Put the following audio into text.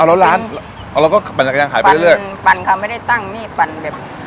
เอาแล้วร้านเอาแล้วก็ปั่นก๋วยเตี๋ยวขายไปเรื่อยปั่นค่ะไม่ได้ตั้งนี่ปั่นแบบ